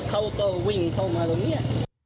เขาก็วิ่งเข้ามาตรงนี้